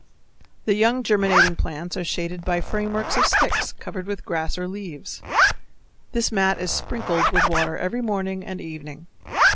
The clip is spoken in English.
The young germinating plants are shaded by frameworks of sticks covered with grass or leaves. This mat is sprinkled with water every morning and evening.